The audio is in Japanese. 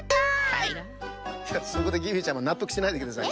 いやそこでキーウィちゃんもなっとくしないでください。